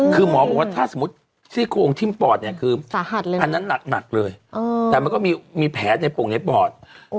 คือหมอบอกว่าถ้าสมมุติซี่โครงทิ้มปอดเนี่ยคืออันนั้นหนักเลยแต่มันก็มีแผลในโป่งในปอด